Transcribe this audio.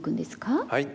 はい。